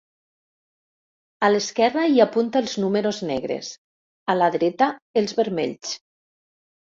A l'esquerra hi apunta els números negres, a la dreta els vermells.